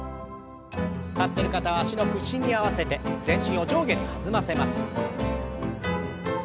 立ってる方は脚の屈伸に合わせて全身を上下に弾ませます。